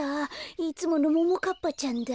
いつものももかっぱちゃんだ。